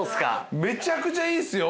めちゃくちゃいいっすよ。